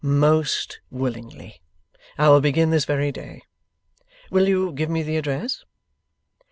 'Most willingly. I will begin this very day. Will you give me the address?